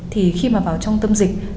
thì khi mà vào trong tâm dịch